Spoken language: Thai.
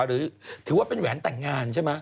หรือถือว่าเป็นแหวนแต่งงานใช่ไหม